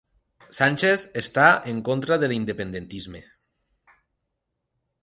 Sánchez està en contra de l'independentisme